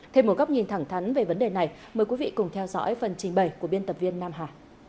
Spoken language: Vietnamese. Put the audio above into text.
thêm một góc nhìn thẳng thắn về vấn đề này mời quý vị cùng theo dõi phần trình bày của biên tập viên nam hà